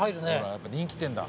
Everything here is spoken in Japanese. やっぱ人気店だ。